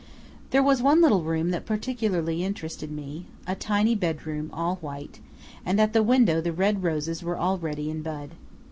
There was one little room that particularly interested me, a tiny bedroom all white, and at the window the red roses were already in bud.